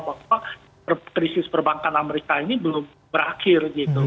bahwa krisis perbankan amerika ini belum berakhir gitu